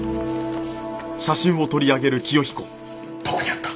どこにあった？